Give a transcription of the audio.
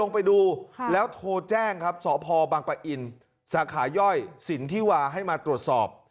ไปดูแล้วโทรแจ้งครับสพบังปะอินสาขาย่อยสินที่วาให้มาตรวจสอบ